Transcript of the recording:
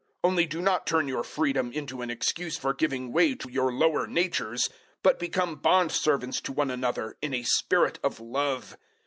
Only do not turn your freedom into an excuse for giving way to your lower natures; but become bondservants to one another in a spirit of love.